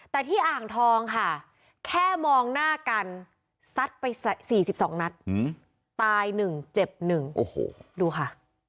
แต่ที่อ่างทองค่ะแค่มองหน้ากันซัดไป๔๒นัดตาย๑เจ็บ๑โอ้โหดูค่ะ